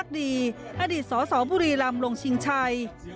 อดีตสสบุรีลำลงชิงชัย